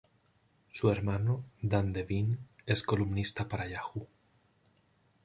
Su hermano, Dan Devine, es columnista para Yahoo!